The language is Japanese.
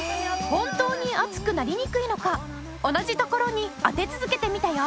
本当に熱くなりにくいのか同じところに当て続けてみたよ。